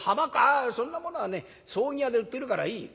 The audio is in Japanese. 「あそんなものはね葬儀屋で売ってるからいい」。